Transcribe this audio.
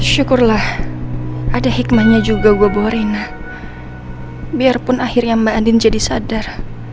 syukurlah ada hikmahnya juga buat borena biarpun akhirnya mbak andin jadi sadar